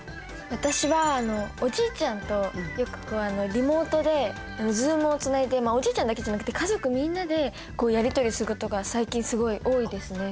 私はおじいちゃんとよくリモートでズームをつないでおじいちゃんだけじゃなくて家族みんなでやり取りすることが最近すごい多いですね。